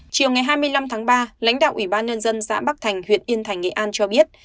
chiều ngày hai mươi năm tháng ba lãnh đạo ủy ban nhân dân xã bắc thành huyện yên thành nghệ an cho biết